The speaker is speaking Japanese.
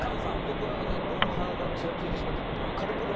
僕は『ロンハー』がちらついてしまって軽くおお。